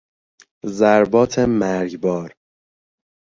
ضربات مرگبار